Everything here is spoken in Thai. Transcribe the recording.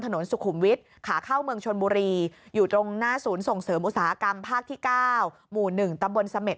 ถนนสุขุมวิทย์ขาเข้าเมืองชนบุรีอยู่ตรงหน้าศูนย์ส่งเสริมอุตสาหกรรมภาคที่๙หมู่๑ตำบลเสม็ด